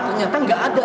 ternyata nggak ada